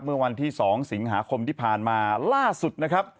เมื่อวันที่๒สิงหาคมที่ผ่านมาล่าสุดนะครับ